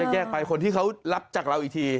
แยกไปคนที่เขารับจากเราอีกที